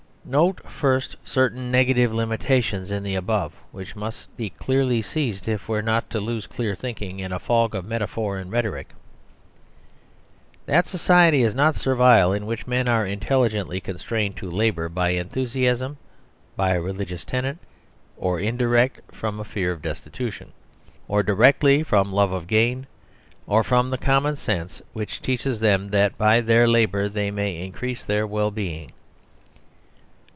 Note first certain negative limitations in the above which must be clearly seized if we are not to lose clear thinking in a fog of metaphor and rhetoric. That society is not servile in which men are in telligently constrained to labour by enthusiasm, by a religious tenet, or indirectly from fear of destitu 16 DEFINITIONS tion, or directly from love of gain, or from the com mon sense which teaches them that by their labour they may increase their well being.